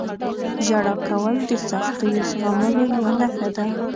• ژړا کول د سختیو زغملو یوه نښه ده.